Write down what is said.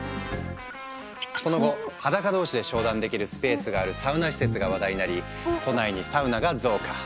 その後裸同士で商談できるスペースがあるサウナ施設が話題になり都内にサウナが増加。